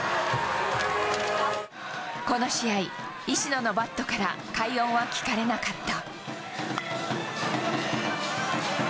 この試合、石野のバットから快音は聞かれなかった。